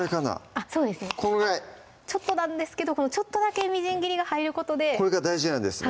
あっそうですねちょっとなんですけどこのちょっとだけみじん切りが入ることでこれが大事なんですね